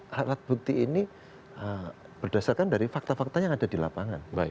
alat bukti ini berdasarkan dari fakta fakta yang ada di lapangan